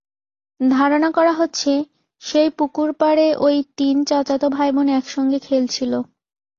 ধারণা করা হচ্ছে, সেই পুকুরপাড়ে ওই তিন চাচাতো ভাইবোন একসঙ্গে খেলছিল।